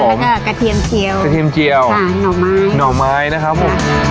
แล้วก็กระเทียมเจียวกระเทียมเจียวค่ะหน่อไม้หน่อไม้นะครับผม